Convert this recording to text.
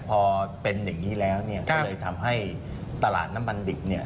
พอเป็นอย่างนี้แล้วก็เลยทำให้ตลาดน้ำมันดิบเนี่ย